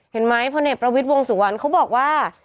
พลเอกประวิทย์วงสุวรรณเขาบอกว่า